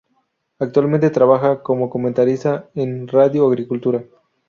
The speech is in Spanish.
Actualmente trabaja como comentarista en Radio Agricultura.